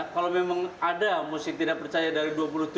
kalau memang ada musik tidak percaya dari dua puluh tujuh